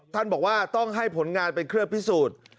ท่านบอกว่าต้องให้ผลงานเป็นเครื่องพิสูจน์